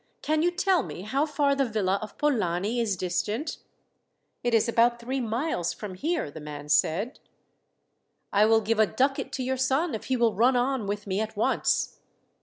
Can you tell me how far the villa of Polani is distant?" "It is about three miles from here," the man said. "I will give a ducat to your son if he will run on with me at once."